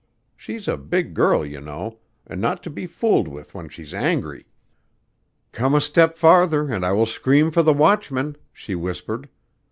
She's a big girl, you know, and not to be fooled with when she's angry. 'Come a step farther and I will scream for the watchman,' she whispered.